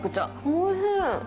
おいしい。